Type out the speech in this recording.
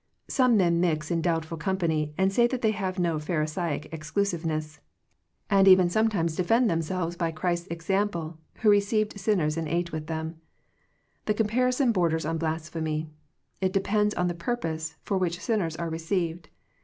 Some men mix in doubtful company, and say that they have no Pharisaic ex dusiveness, and even sometimes defend 103 Digitized by VjOOQIC THE CHOICE OF FRIENDSHIP themselves by Christ's example, who re ceived sinners and ate with them. The comparison borders on blasphemy. It depends on the purpose, for which sin ners are received.